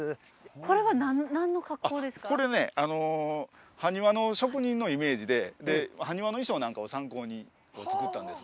あっこれねあのハニワの職人のイメージでハニワの衣装なんかを参考に作ったんです。